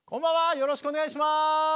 よろしくお願いします！